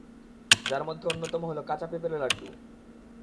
যার মধ্যে অন্যতম হলো কাঁচা পেঁপের লাড্ডু।